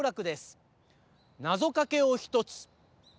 なぞかけをひとつ。